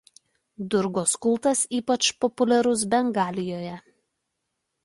Durgos kultas ypač populiarus Bengalijoje.